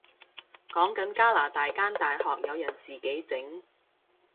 講緊加拿大間大學有人自己整